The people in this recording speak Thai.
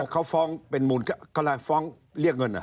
เขาฟ้องเป็นหมุนฟ้องเรียกเงิน